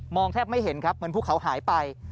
แทบไม่เห็นครับเหมือนภูเขาหายไป